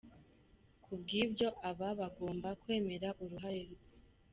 Ku bw’ibyo aba agomba kwemera uruhare rwe.